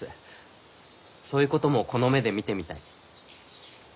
そういうこともこの目で見てみたい。